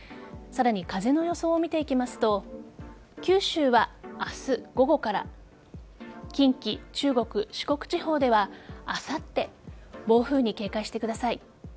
さらに風の予想を見ていきますと九州は、明日午後から近畿、中国、四国地方ではあさって暴風に警戒してください。